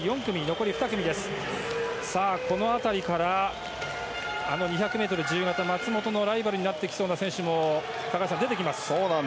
この辺りから、２００ｍ自由形で松元のライバルになってきそうな選手も高橋さん、出てきます。